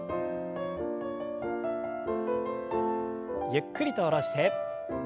ゆっくりと下ろして。